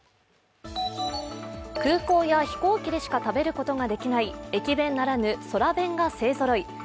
空港や飛行機でしか食べることができない、駅弁ならぬ空弁が勢ぞろい。